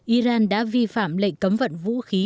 iran đã vi phạm lệnh cấm vận vũ khí